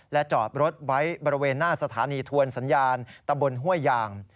จอดรถไว้บริเวณหน้าสถานีทวนสัญญาณตะบนห้วยยาง